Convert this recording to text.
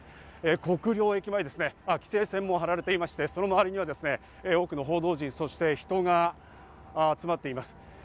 国領駅前、今、規制線も張られていてその周りに多くの報道陣、人が集まっています。